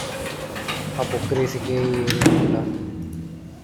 αποκρίθηκε η Ειρηνούλα.